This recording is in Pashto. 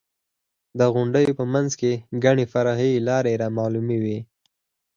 د غونډیو په منځ کې ګڼې فرعي لارې رامعلومې وې.